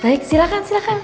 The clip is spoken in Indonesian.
baik silakan silakan